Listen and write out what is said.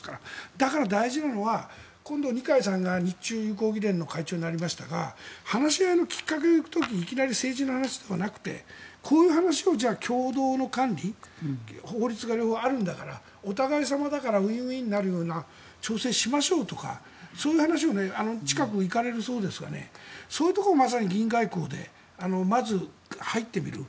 だから大事なのは今度、二階さんが日中友好議連の会長になりましたが話し合いのきっかけの時にいきなり政治の話はなくてこういう話を、共同の管理法律があるんだからお互い様だからウィンウィンになるような調整をしましょうとかそういう話を近く行かれるそうですがそういうところをまさに議員外交でまず入ってみる。